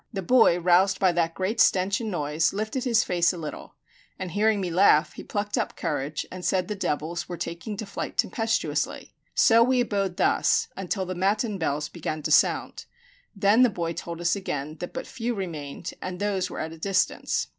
The boy, roused by that great stench and noise, lifted his face a little, and hearing me laugh, he plucked up courage, and said the devils were taking to flight tempestuously. So we abode thus until the matin bells began to sound. Then the boy told us again that but few remained, and those were at a distance.